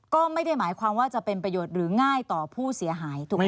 ก็ไม่ได้หมายความว่าจะเป็นประโยชน์หรือง่ายต่อผู้เสียหายถูกไหมค